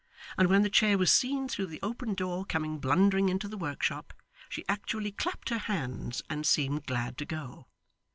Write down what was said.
And when the chair was seen through the open door coming blundering into the workshop, she actually clapped her hands and seemed glad to go.